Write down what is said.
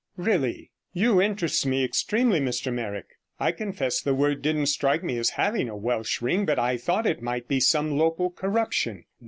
'Really. You interest me extremely, Mr Meyrick. I confess the word didn't strike me as having the Welsh ring. But I thought it might be some local corruption.'